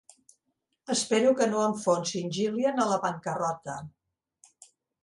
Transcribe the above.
Espero que no enfonsi en Jilian a la bancarrota.